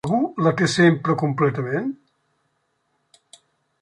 Algú la té sempre completament?